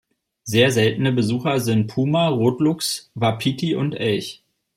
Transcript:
Sehr seltene Besucher sind Puma, Rotluchs, Wapiti und Elch.